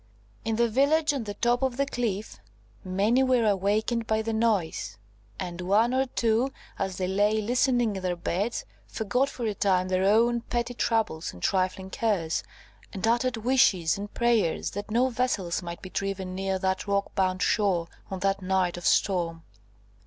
In the village on the top of the cliff many were awakened by the noise; and one or two, as they lay listening in their beds, forgot for a time their own petty troubles and trifling cares, and uttered wishes and prayers that no vessels might be driven near that rock bound shore, on that night of storm!